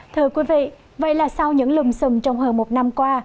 thưa quý vị vậy là sau những lùm xùm trong hơn một năm qua